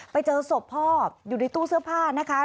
ไปเจอศพพ่ออยู่ในตู้เสื้อผ้านะคะ